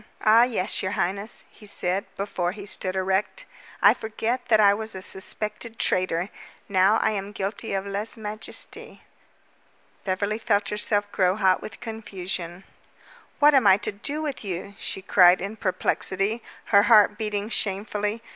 "Ah, yes, your highness," he said, before he stood erect. "I forget that I was a suspected traitor. Now I am guilty of lese majeste." Beverly felt herself grow hot with confusion. "What am I to do with you?" she cried in perplexity, her heart beating shamefully.